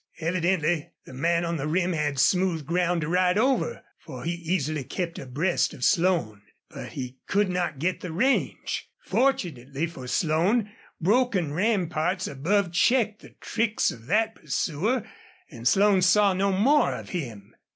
Evidently the man on the rim had smooth ground to ride over, for he easily kept abreast of Slone. But he could not get the range. Fortunately for Slone, broken ramparts above checked the tricks of that pursuer, and Slone saw no more of him.